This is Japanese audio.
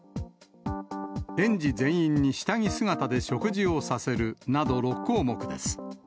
園児全員に下着姿で食事をさせるなど６項目です。